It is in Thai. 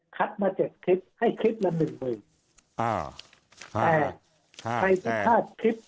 คัดมาเจ็ดคลิปให้คลิปละหมื่นหมื่นอ่าดีฮาวให้ใครทอดคลิป